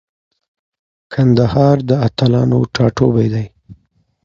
کندهار د اتلانو ټاټوبی دی.